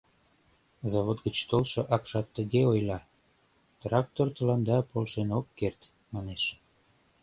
Завод гыч толшо апшат тыге ойла: «Трактор тыланда полшен ок керт», — манеш.